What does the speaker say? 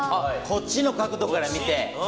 こっちの角度から見て。